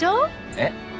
えっ？